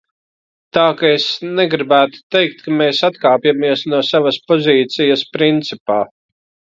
Tā ka es negribētu teikt, ka mēs atkāpjamies no savas pozīcijas principā.